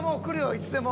いつでも。